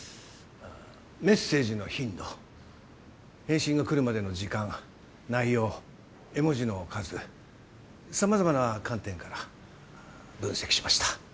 メッセージの頻度返信がくるまでの時間内容絵文字の数様々な観点から分析しました。